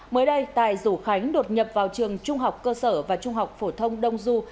mới đây tài rủ khánh đột nhập vào trường trung học cơ sở và trung học phổ thông đông du